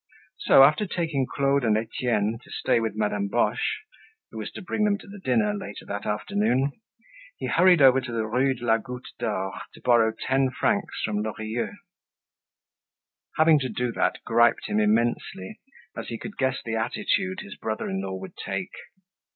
So, after taking Claude and Etienne to stay with Madame Boche, who was to bring them to the dinner later that afternoon, he hurried over to the Rue de la Goutte d'Or to borrow ten francs from Lorilleux. Having to do that griped him immensely as he could guess the attitude his brother in law would take.